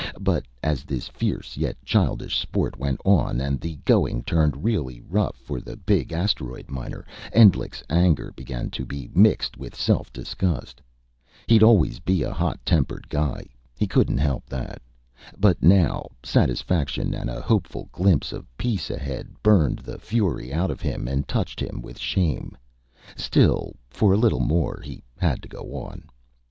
But as this fierce yet childish sport went on, and the going turned really rough for the big asteroid miner, Endlich's anger began to be mixed with self disgust. He'd always be a hot tempered guy; he couldn't help that. But now, satisfaction, and a hopeful glimpse of peace ahead, burned the fury out of him and touched him with shame. Still, for a little more, he had to go on.